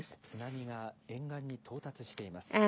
津波が沿岸に到達しています。